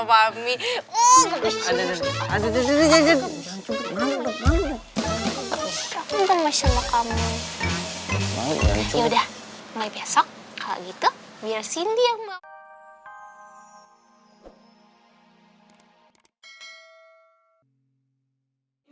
mami udah besok kalau gitu biar sini yang mau